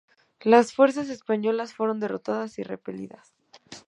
Las fuerzas españolas fueron derrotadas y repelidas.